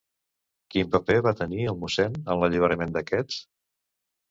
Quin paper va tenir el mossèn en l'alliberament d'aquests?